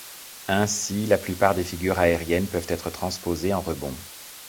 Ainsi, la plupart des figures aériennes peuvent être transposées en rebond.